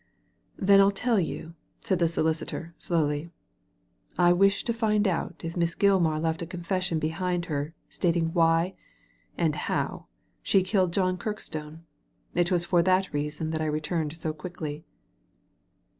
« Then Til tell you," said the solicitor, slowly. •* I wish to find out if Miss Gilmar left a confession behind her stating why, and how, she killed John Kirkstone; it was for that reason I returned so quickly."